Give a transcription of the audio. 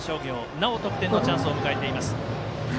なお、得点のチャンスを迎えています。